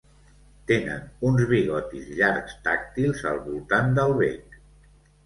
Tenen uns bigotis llargs tàctils al voltant del bec.